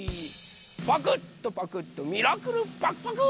パクッとパクッとミラクルパクパク！